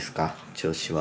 調子は。